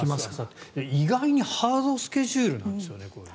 意外にハードスケジュールなんですよ。